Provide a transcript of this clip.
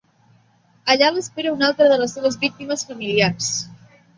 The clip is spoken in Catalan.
Allà l'espera una altra de les seves víctimes familiars.